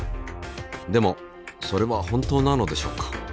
でもそれは本当なのでしょうか。